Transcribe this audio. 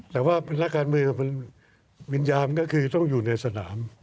แต่ว่านักการเมืองวิญญาณก็คือต้องอยู่ในสนาม